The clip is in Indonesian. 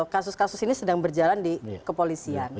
kasus kasus ini sedang berjalan di kepolisian